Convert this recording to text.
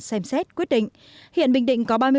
xem xét quyết định hiện bình định có